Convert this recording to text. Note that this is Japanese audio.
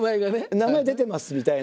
「名前出てます」みたいな。